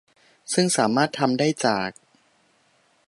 ซึ่งสามารถทำได้จาก